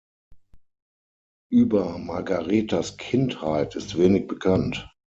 Über Margaretas Kindheit ist wenig bekannt.